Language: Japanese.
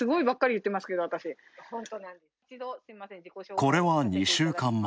これは２週間前。